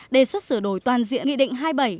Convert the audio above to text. đề xuất sửa đổi toàn diện nghị định